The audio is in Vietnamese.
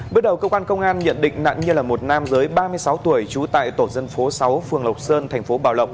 bước đầu cơ quan công an nhận định nặng như là một nam giới ba mươi sáu tuổi trú tại tổ dân phố sáu phường lộc sơn tp b